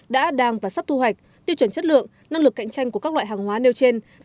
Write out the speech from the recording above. đã đang và sắp thu hoạch tiêu chuẩn chất lượng năng lực cạnh tranh của các loại hàng hóa nêu trên